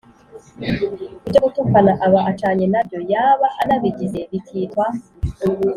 ibyo gutukana aba acanye na byo, yaba anabigize bikitwa